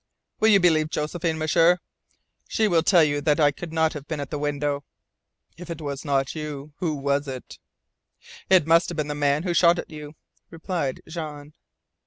"Will you believe Josephine, M'sieur? She will tell you that I could not have been at the window." "If it was not you who was it?" "It must have been the man who shot at you," replied Jean.